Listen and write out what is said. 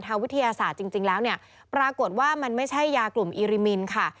วิทยาศาสตร์จริงแล้วเนี่ยปรากฏว่ามันไม่ใช่ยากลุ่มอิริมินค่ะ